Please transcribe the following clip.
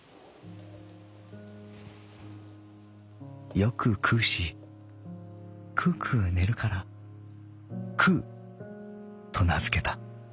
「よく食うしくうくう寝るから『くう』と名づけた」。